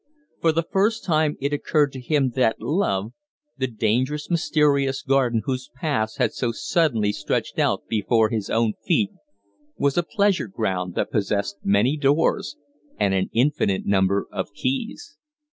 For the first time it occurred to him that love the dangerous, mysterious garden whose paths had so suddenly stretched out before his own feet was a pleasure ground that possessed many doors and an infinite number of keys.